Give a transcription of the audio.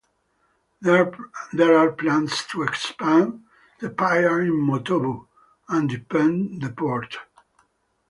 There are plans to expand the pier in Motobu, and deepen the port.